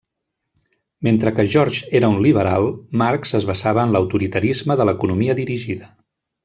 Mentre que George era un liberal, Marx es basava en l'autoritarisme de l'economia dirigida.